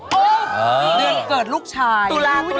อ๋อถือที่เดินเกิดลูกชาย